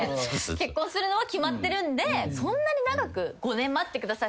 結婚するのは決まってるんでそんなに長く５年待ってください。